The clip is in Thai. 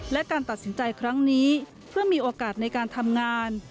และการตัดสินใจครั้งนี้เพื่อมีโอกาสในการทำงาน